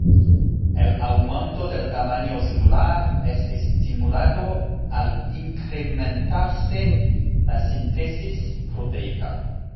El aumento del tamaño celular es estimulado al incrementarse la síntesis proteica.